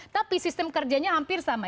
tapi sistem kerjanya hampir sama